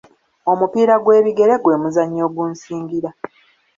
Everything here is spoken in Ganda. Omupiira gw'ebigere gwe muzannyo ogunsingira.